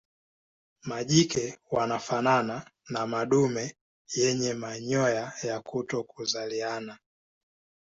Majike wanafanana na madume yenye manyoya ya kutokuzaliana.